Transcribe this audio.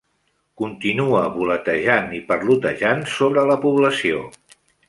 Continuat voletejant i parlotejant sobre la població.